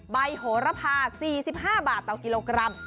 โหระพา๔๕บาทต่อกิโลกรัม